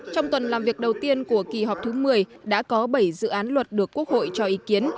trong tuần làm việc đầu tiên của kỳ họp thứ một mươi đã có bảy dự án luật được quốc hội cho ý kiến